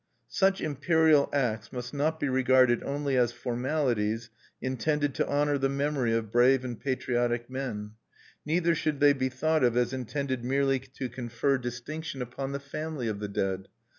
Such imperial acts must not be regarded only as formalities intended to honor the memory of brave and patriotic men; neither should they be thought of as intended merely to confer distinction upon the family of the dead.